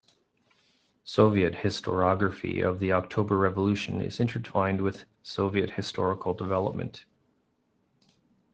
Soviet historiography of the October Revolution is intertwined with Soviet historical development.